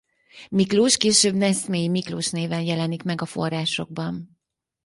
Miklós később Neszmélyi Miklós néven jelenik meg a forrásokban.